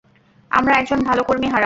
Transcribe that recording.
আমরা একজন ভালো কর্মী হারাবো।